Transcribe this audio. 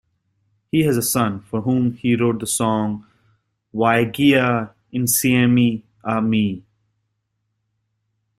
He has a son, for whom he wrote the song "Viaggia Insieme A Me".